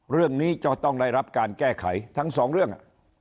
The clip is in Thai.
เรื่องนี้จะต้องได้รับการแก้ไขทั้งสองเรื่อง